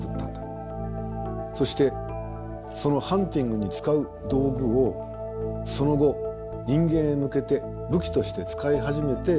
そしてそのハンティングに使う道具をその後人間へ向けて武器として使い始めて戦争を始めた。